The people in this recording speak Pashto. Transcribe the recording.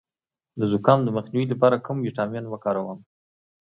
د زکام د مخنیوي لپاره کوم ویټامین وکاروم؟